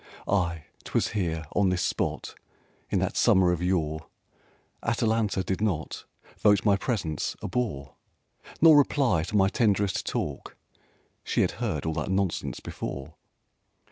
Ay, 'twas here, on this spot, In that summer of yore, Atalanta did not Vote my presence a bore, Nor reply to my tenderest talk "She had heard all that nonsense before."